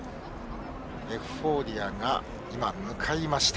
エフフォーリアが向かいました。